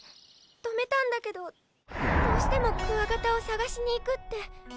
止めたんだけどどうしてもクワガタを探しに行くって。